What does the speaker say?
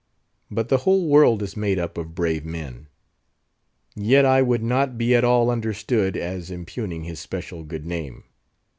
But the whole world is made up of brave men. Yet I would not be at all understood as impugning his special good name.